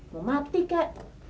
mau mati kek